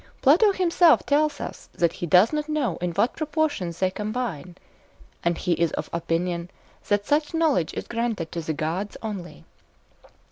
Plato himself tells us that he does not know in what proportions they combine, and he is of opinion that such knowledge is granted to the gods only.